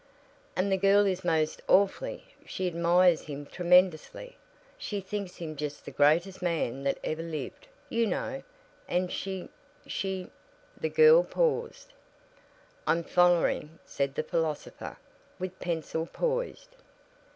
"And the girl is most awfully she admires him tremendously; she thinks him just the greatest man that ever lived, you know. And she she " The girl paused. "I'm following," said the philosopher, with pencil poised.